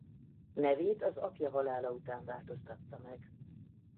Nevét az apja halála után változtatta meg.